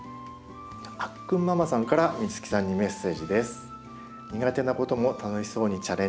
あっくんママさんから美月さんにメッセージです。